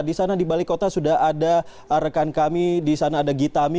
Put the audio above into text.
di sana di balik kota sudah ada rekan kami di sana ada gitami